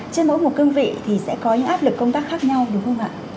trên mỗi một cương vị thì sẽ có những áp lực công tác khác nhau đúng không ạ